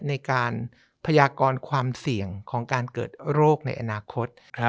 ในการพยากรความเสี่ยงของการเกิดโรคในอนาคต